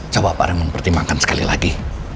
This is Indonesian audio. coba pak remon pertimbangkan sekali lagi